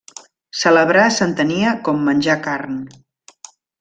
Celebrar s'entenia com menjar carn.